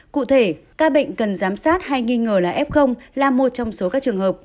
cụ thể ca bệnh cần giám sát hay nghi ngờ là f là một trong số các trường hợp